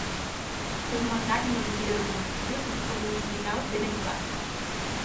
Té un mercat i una botiga de comestibles, així com un hospital ben equipat.